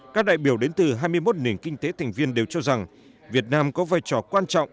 các đại biểu đến từ hai mươi một nền kinh tế thành viên đều cho rằng việt nam có vai trò quan trọng